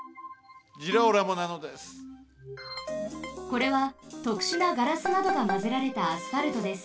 これはとくしゅなガラスなどがまぜられたアスファルトです。